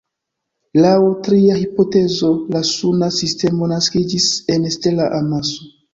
Laŭ tria hipotezo la Suna sistemo naskiĝis en stela amaso.